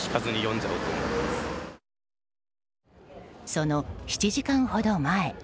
その７時間ほど前。